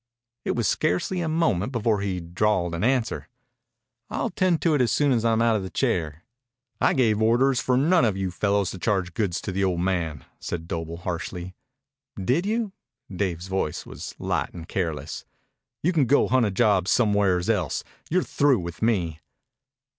It was scarcely a moment before he drawled an answer. "I'll 'tend to it soon as I'm out of the chair." "I gave orders for none of you fellows to charge goods to the old man," said Doble harshly. "Did you?" Dave's voice was light and careless. "You can go hunt a job somewheres else. You're through with me."